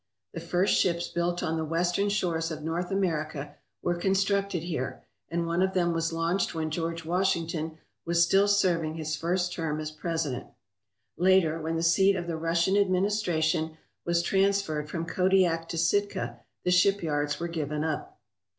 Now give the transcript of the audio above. The first ships built on the western shores of North America were con structed here, and one of them was launched when George Washington was still serving his first term as president. Later, when the seat of the Russian administration was transferred from Kodiak to Sitka, the shipyards were given up.